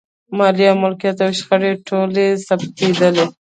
مالیه، ملکیت او شخړې ټول ثبتېدل.